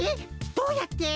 どうやって？